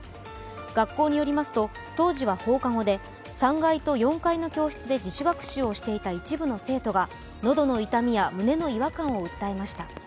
学校によりますと当時は放課後で、３階と４階の教室で自主学習をしていた一部の生徒が喉の痛みや胸の違和感を訴えました。